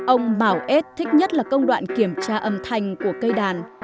ông mào ết thích nhất là công đoạn kiểm tra âm thanh của cây đàn